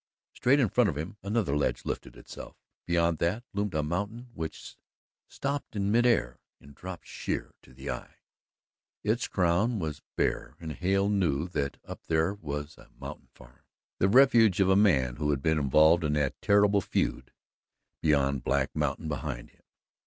Straight in front of him another ledge lifted itself. Beyond that loomed a mountain which stopped in mid air and dropped sheer to the eye. Its crown was bare and Hale knew that up there was a mountain farm, the refuge of a man who had been involved in that terrible feud beyond Black Mountain behind him.